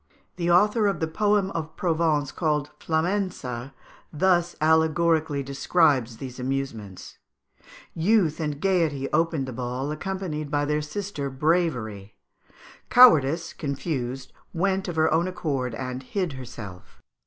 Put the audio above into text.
The author of the poem of Provence, called "Flamença," thus allegorically describes these amusements: "Youth and Gaiety opened the ball, accompanied by their sister Bravery; Cowardice, confused, went of her own accord and hid herself."